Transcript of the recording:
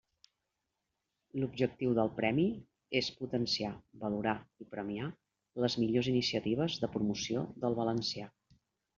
L'objectiu del premi és potenciar, valorar i premiar les millors iniciatives de promoció del valencià.